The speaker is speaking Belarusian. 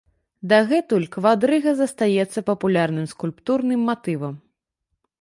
Дагэтуль квадрыга застаецца папулярным скульптурным матывам.